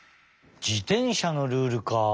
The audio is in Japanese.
自転車のルールか。